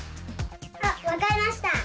あわかりました！